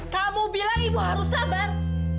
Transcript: kamu bilang ibu harus sabar